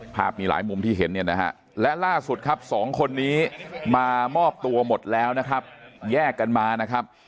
มีหลายมุมที่เห็นเนี่ยนะฮะและล่าสุดครับสองคนนี้มามอบตัวหมดแล้วนะครับแยกกันมานะครับ